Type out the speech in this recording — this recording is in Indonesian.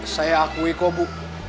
saya akui kok bu